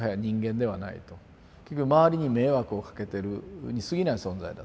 結局周りに迷惑をかけてるにすぎない存在だ。